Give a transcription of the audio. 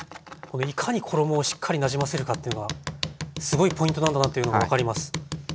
いかに衣をしっかりなじませるかっていうのがすごいポイントなんだなっていうのが分かります。